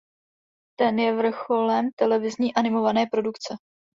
Ten je vrcholem televizní animované produkce.